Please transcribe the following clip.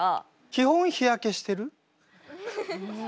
基本日焼けしてる？ん。